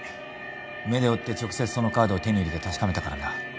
目で追って直接そのカードを手に入れて確かめたからな。